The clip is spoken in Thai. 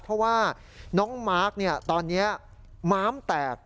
เพราะว่าน้องมาร์คตอนนี้ม้ามแตก